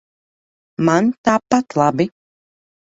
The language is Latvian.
Man tāpat labi.